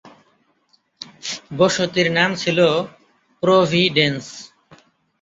বসতির নাম ছিল "প্রভিডেন্স।"